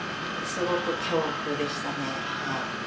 すごく恐怖でしたね。